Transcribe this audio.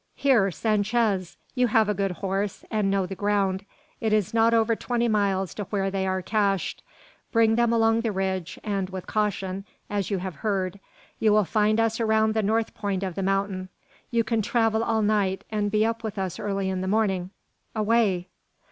Here, Sanchez! you have a good horse, and know the ground. It is not over twenty miles to where they are cached. Bring them along the ridge, and with caution, as you have heard. You will find us around the north point of the mountain. You can travel all night, and be up with us early in the morning. Away!"